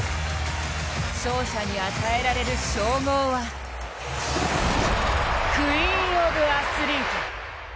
勝者に与えられる称号はクイーンオブアスリート。